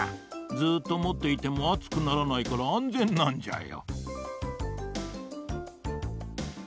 ずっともっていてもあつくならないからあんぜんなんじゃよ。